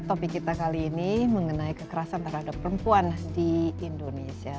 topik kita kali ini mengenai kekerasan terhadap perempuan di indonesia